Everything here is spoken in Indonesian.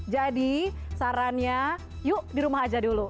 jadi sarannya yuk di rumah aja dulu